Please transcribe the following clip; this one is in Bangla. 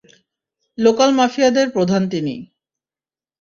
লোকাল মাফিয়াদের প্রধান তিনি।